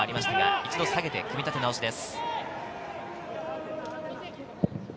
一度下げて組み立て直しです。